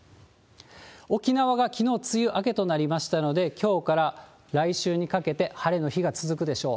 沖縄がきのう梅雨明けとなりましたので、きょうから来週にかけて、晴れの日が続くでしょう。